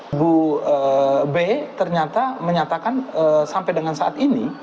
ibu b ternyata menyatakan sampai dengan saat ini